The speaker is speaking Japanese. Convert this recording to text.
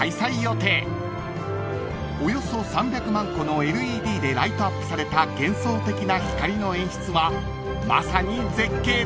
［およそ３００万個のＬＥＤでライトアップされた幻想的な光の演出はまさに絶景です］